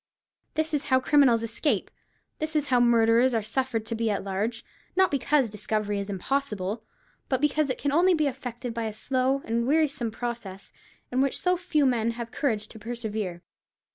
This is how criminals escape—this is how murderers are suffered to be at large; not because discovery is impossible, but because it can only be effected by a slow and wearisome process in which so few men have courage to persevere.